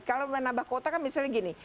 kalau menambah kota kan misalnya gini